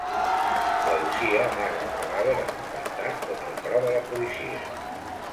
La Lucía amaga el cadàver en un pantà, on el troba la policia.